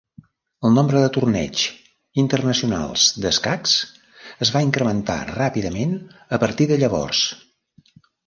El nombre de torneigs internacionals d'escacs es va incrementar ràpidament a partir de llavors.